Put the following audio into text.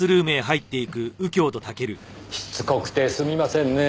しつこくてすみませんねぇ。